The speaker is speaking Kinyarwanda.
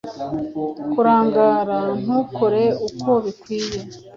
Kurangara ntukore uko bikwiye;